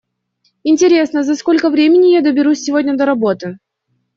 Интересно, за сколько времени я доберусь сегодня до работы?